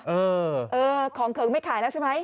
เออของเขิงไม่ขายแล้วใช่ไหม